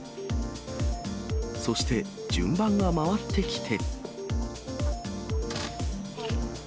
そして、順番が回ってきて。